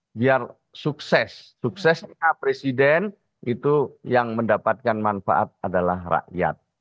biar sukses suksesnya presiden itu yang mendapatkan manfaat adalah rakyat